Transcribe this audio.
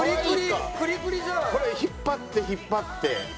これ引っ張って引っ張って。